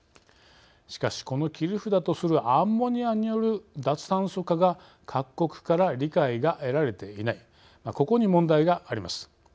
しかしこの切り札とするアンモニアによる脱炭素化が各国から理解が得られていないここに問題があります。